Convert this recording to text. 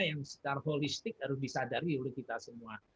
yang secara holistik harus disadari oleh kita semua